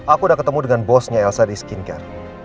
aku udah ketemu dengan bosnya elsa di skingar